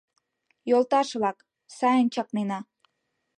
Йолташ-влак, сайын чакнена.